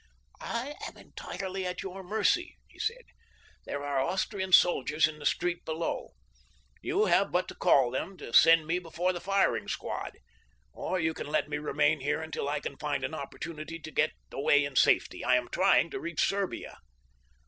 "I am entirely at your mercy," he said. "There are Austrian soldiers in the street below. You have but to call to them to send me before the firing squad—or, you can let me remain here until I can find an opportunity to get away in safety. I am trying to reach Serbia."